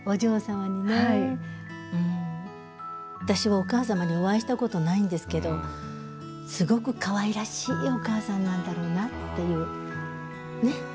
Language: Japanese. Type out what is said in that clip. お母様にお会いしたことないんですけどすごくかわいらしいお母さんなんだろうなっていう。ね？